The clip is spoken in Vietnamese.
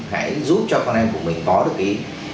hãy giúp cho con em của mình có được ý